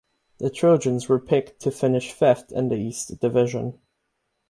The Trojans were picked to finish fifth in the East Division.